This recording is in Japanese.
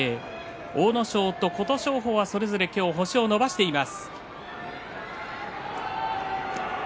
阿武咲と琴勝峰はそれぞれ星を伸ばしています。